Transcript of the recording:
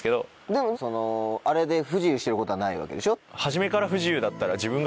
でもあれで不自由してることはないわけでしょ？